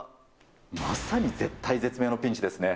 まさに絶体絶命のピンチですね。